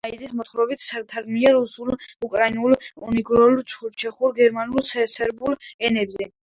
სოსო პაიჭაძის მოთხრობები თარგმნილია რუსულ, უკრაინულ, უნგრულ, ჩეხურ, გერმანულ, სერბულ ენებზე.